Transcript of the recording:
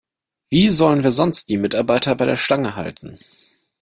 Wie sollen wir sonst die Mitarbeiter bei der Stange halten?